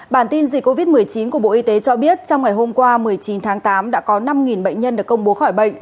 bản tin dịch covid một mươi chín của bộ y tế cho biết trong ngày hôm qua một mươi chín tháng tám đã có năm bệnh nhân được công bố khỏi bệnh